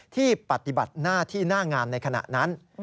ที่ปฏิบัติหน้าที่หน้างานในขณะนั้น